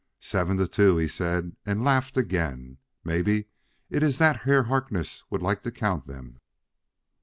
"Seven to two," he said, and laughed again; "maybe it iss that Herr Harkness would like to count them.